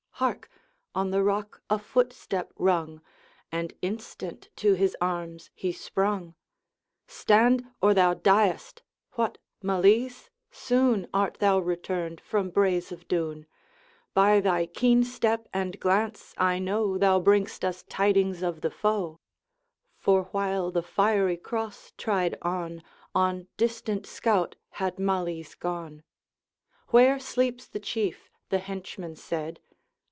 Hark! on the rock a footstep rung, And instant to his arms he sprung. 'Stand, or thou diest! What, Malise? soon Art thou returned from Braes of Doune. By thy keen step and glance I know, Thou bring'st us tidings of the foe.' For while the Fiery Cross tried on, On distant scout had Malise gone. 'Where sleeps the Chief?' the henchman said.